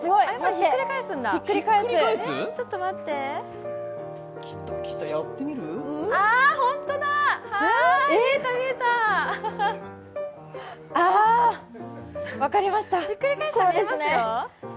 ひっくり返したら見えますよ。